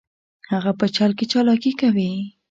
هغه په چل کې چلاکي کوي